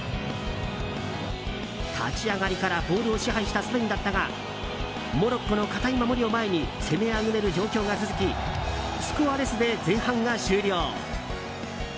立ち上がりからボールを支配したスペインだったがモロッコの堅い守りを前に攻めあぐねる状況が続きスコアレスで前半が終了。